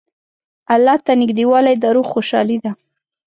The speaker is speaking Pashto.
الله ته نېږدېوالی د روح خوشحالي ده.